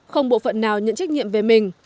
không bộ phận nào nhận trách nhiệm về mình